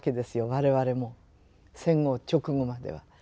我々も戦後直後までは。